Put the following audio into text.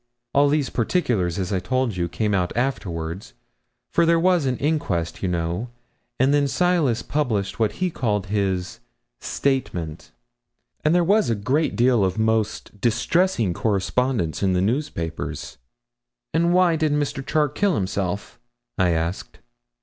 All these particulars, as I told you, came out afterwards, for there was an inquest, you know, and then Silas published what he called his "statement," and there was a great deal of most distressing correspondence in the newspapers.' 'And why did Mr. Charke kill himself?' I asked.